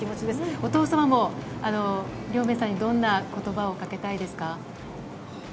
お父様も亮明さんにどんな言葉をかけたいですか？